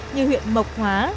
như huyện mộc hóa